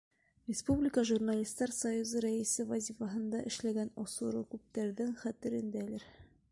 Республика Журналистар союзы рәйесе вазифаһында эшләгән осоро күптәрҙең хәтерендәлер.